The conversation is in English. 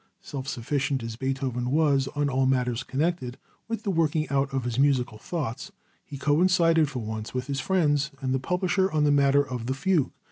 Self sufficient as Beethoven was on all matters connected with the working out of his musical thoughts, he coincided for once with his friends and the publisher on the matter of the fugue.